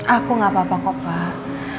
aku gak apa apa kok pak